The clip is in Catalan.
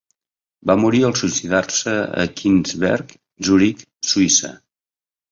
Va morir al suïcidar-se a Kilchberg, Zuric, Suïssa.